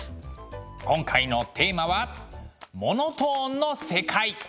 今回のテーマは「モノトーンの世界」。